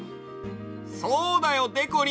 そうだよでこりん。